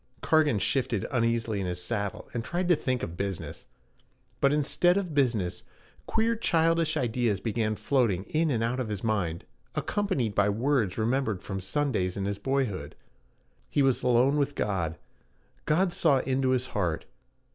Cargan shifted uneasily in his saddle, and tried to think of business. But instead of business queer childish ideas began floating in and out of his mind, accompanied by words remembered from Sundays in his boyhood. He was alone with God. God saw into his heart.